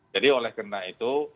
jadi oleh karena itu